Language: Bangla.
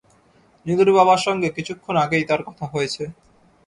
নীলুর বাবার সঙ্গে কিছুক্ষণ আগেই তার কথা হয়েছে।